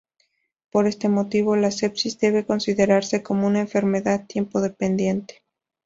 Por este motivo la sepsis debe considerarse como una enfermedad tiempo-dependiente.